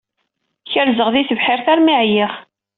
Kerzeɣ di tebḥirt armi ɛyiɣ.